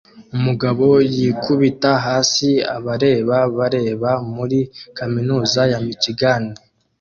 Umugabo yikubita hasi abareba bareba muri kaminuza ya Michigan